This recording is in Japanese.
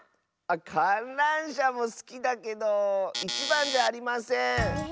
かんらんしゃもすきだけどいちばんではありません。え。